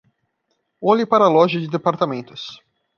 Olhe para a loja de departamentos